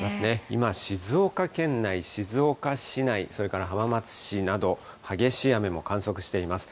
今、静岡県内、静岡市内、それから浜松市など、激しい雨も観測しています。